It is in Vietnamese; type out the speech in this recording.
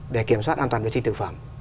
để kiểm soát an toàn vệ sinh thực phẩm